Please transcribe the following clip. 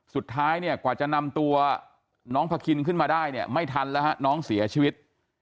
สุดท้ายเนี่ยกว่าจะนำตัวน้องพาคินขึ้นมาได้เนี่ยไม่ทันแล้วฮะน้องเสียชีวิต